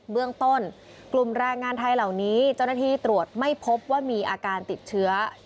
เบื้องต้นกลุ่มแรงงานไทยเหล่านี้เจ้าหน้าที่ตรวจไม่พบว่ามีอาการติดเชื้อ